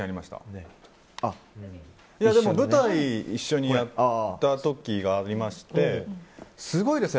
舞台一緒にやった時がありましてすごいです。